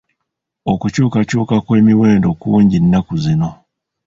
Okukyukakyuka kw'emiwendo kungi nnaku zino.